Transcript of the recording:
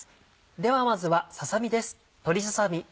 ではまずはささ身です。